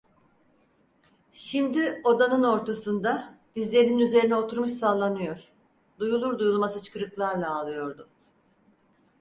Şimdi odanın ortasında dizlerinin üzerine oturmuş sallanıyor, duyulur duyulmaz hıçkırıklarla ağlıyordu.